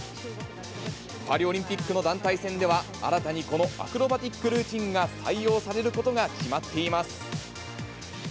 パリオリンピックの団体戦では、新たにこのアクロバティックルーティンが採用されることが決まっています。